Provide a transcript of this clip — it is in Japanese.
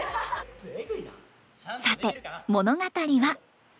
さて物語は。